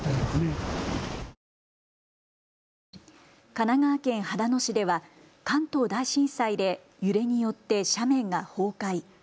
神奈川県秦野市では関東大震災で揺れによって斜面が崩壊。